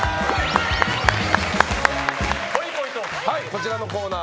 こちらのコーナー